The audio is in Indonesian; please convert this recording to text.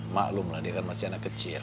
maklumlah dia kan masih anak kecil